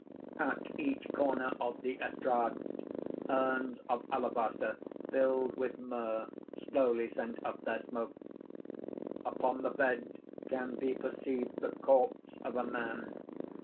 _ At each corner of the estrade urns of alabaster, filled with myrrh, slowly send up their smoke. _Upon the bed can be perceived the corpse of a man.